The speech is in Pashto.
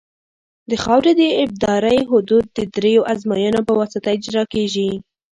د خاورې د ابدارۍ حدود د دریو ازموینو په واسطه اجرا کیږي